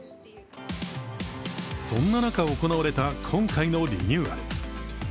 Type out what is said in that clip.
そんな中、行われた今回のリニューアル。